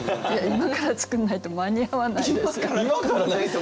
今から作らないと間に合わないんですか！